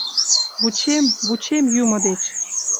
Вучем, вучем Юмо деч